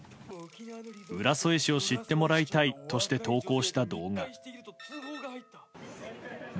浦添市を知ってもらいたいとして投稿した動画。